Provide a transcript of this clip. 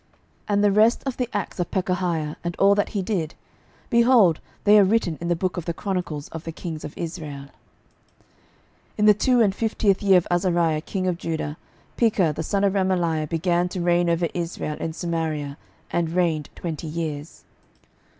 12:015:026 And the rest of the acts of Pekahiah, and all that he did, behold, they are written in the book of the chronicles of the kings of Israel. 12:015:027 In the two and fiftieth year of Azariah king of Judah Pekah the son of Remaliah began to reign over Israel in Samaria, and reigned twenty years.